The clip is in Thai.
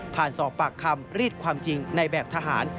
สอบปากคำรีดความจริงในแบบทหาร